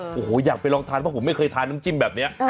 โอ้โหอยากไปลองทานเพราะผมไม่เคยทานน้ำจิ้มแบบนี้